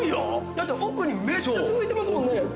だって奥にめっちゃ続いてますもんね。